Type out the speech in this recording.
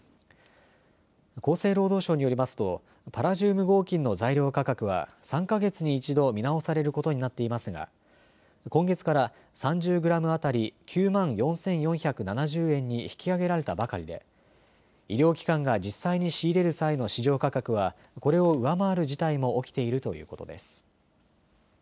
厚生労働省によりますとパラジウム合金の材料価格は３か月に１度、見直されることになっていますが今月から３０グラム当たり９万４４７０円に引き上げられたばかりで医療機関が実際に仕入れる際の市場価格はこれを上回る事態も起きているということです。